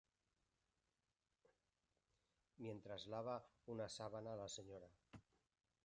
Mientras lava una sábana, la Sra.